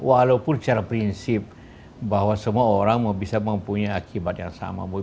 walaupun secara prinsip bahwa semua orang bisa mempunyai akibat yang sama